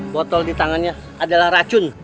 botol di tangannya adalah racun